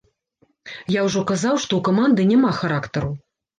Я ўжо казаў, што ў каманды няма характару.